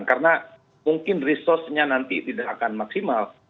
karena mungkin resourcenya nanti tidak akan berhasil